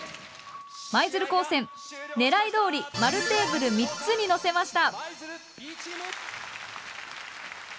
舞鶴高専狙いどおり丸テーブル３つにのせました。